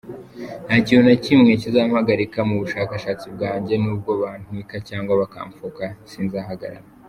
Nta kintu na kimwe kizampagarika mu bushakashatsi bwange n’ubwo bantwika cyangwa bakamfunga, sinzahagaragara”.